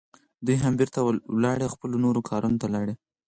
دوی هم بیرته ولاړې، خپلو نورو کارونو ته لاړې.